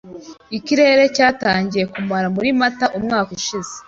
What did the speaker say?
Ikirere cyatangiye kumara muri Mata umwaka ushize.